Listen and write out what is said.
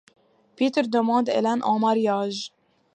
Peter demande Hélène en mariage.